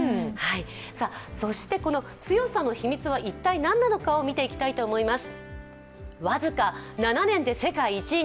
そして強さの秘密は一体何なのかを見ていきます。